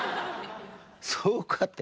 そうかって。